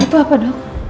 itu apa dok